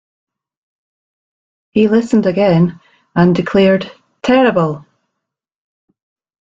He listened again and declared 'Terrible!